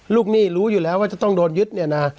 หนี้รู้อยู่แล้วว่าจะต้องโดนยึดเนี่ยนะ